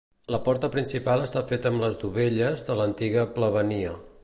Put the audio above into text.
La porta principal està feta amb les dovelles de l'antiga Plebania.